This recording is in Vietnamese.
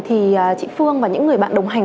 thì chị phương và những người bạn đồng hành